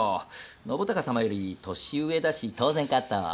信孝様より年上だし当然かと。